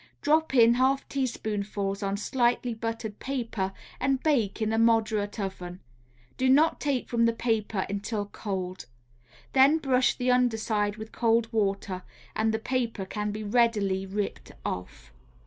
Drop in half teaspoonfuls on slightly buttered paper and bake in a moderate oven. Do not take from the paper until cold; then brush the under side with cold water, and the paper can be readily stripped off.